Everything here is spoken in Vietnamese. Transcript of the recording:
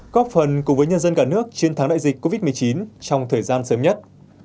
góp phần cùng với nhân dân cả nước chiến thắng đại dịch covid một mươi chín trong thời gian sớm nhất